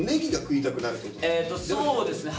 そうですね春。